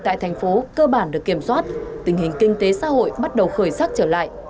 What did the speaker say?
tại thành phố cơ bản được kiểm soát tình hình kinh tế xã hội bắt đầu khởi sắc trở lại